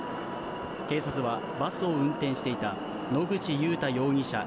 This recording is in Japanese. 警察は、バスを運転していた野口祐太容疑者